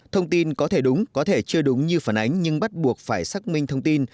thông tin có thể đúng có thể chưa đúng như phản ánh nhưng bắt buộc phải xác minh thông tin